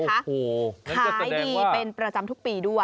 โอ้โหนั่นก็แสดงว่าขายดีเป็นประจำทุกปีด้วย